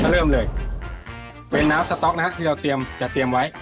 เริ่มเลยเป็นน้ำสต๊อกนะครับที่เราเตรียมจะเตรียมไว้